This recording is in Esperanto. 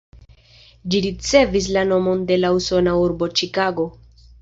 Ĝi ricevis la nomon de la usona urbo Ĉikago.